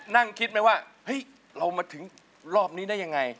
นั่งคิดไหมว่าเรามาถึงรอบนี้ได้อย่างไร